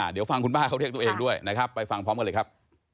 เดี๋ยวฟังคุณป้าเขาเรียกตัวเองด้วยนะครับไปฟังพร้อมกันเลยครับ